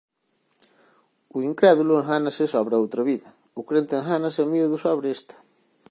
O incrédulo engánase sobre a outra vida, o crente engánase a miúdo sobre esta.